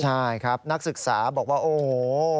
ใช่ครับนักศึกษาบอกว่าโอ้โห